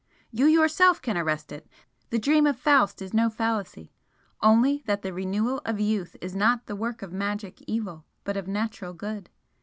You yourself can arrest it! the dream of Faust is no fallacy! only that the renewal of youth is not the work of magic evil, but of natural good.